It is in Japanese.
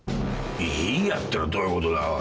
いいやってのはどういうことだおい。